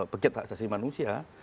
pekerja taksasi manusia